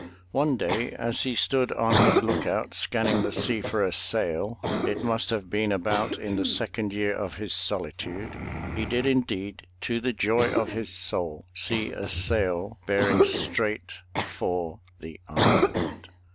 One day as he stood on his look out scanning the sea for a sail (it must have been about in the second year of his solitude) he did indeed, to the joy of his soul, see a sail bearing straight for 346 THE TREASURE CHEST the island.